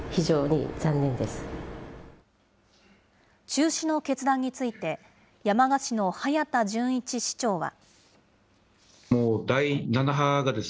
中止の決断について、山鹿市の早田順一市長は。